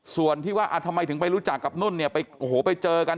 ส่วนที่ว่าทำไมถึงไปรู้จักกับนุ่นเนี่ยไปโอ้โหไปเจอกัน